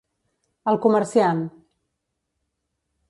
El comerciant: